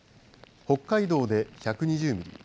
北海道で１２０ミリ。